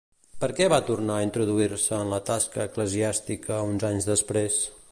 Per què va tornar a introduir-se en la tasca eclesiàstica uns anys després?